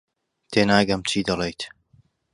تێناگەم چی دەڵێیت.